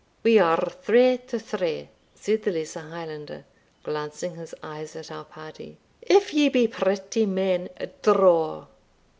"We are three to three," said the lesser Highlander, glancing his eyes at our party: "if ye be pretty men, draw!"